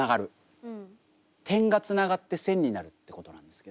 点がつながって線になるってことなんですけど。